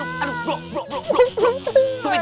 kenapa bianti pakai santriwati